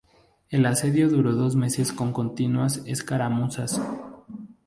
El asedio duró dos meses con continuas escaramuzas.